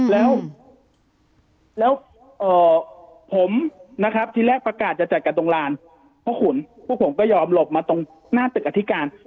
แล้วผมนะครับทีแรกประกาศจะจัดกันตรงลานพ่อขุนพวกผมก็ยอมหลบมาตรงหน้าตึกอธิการ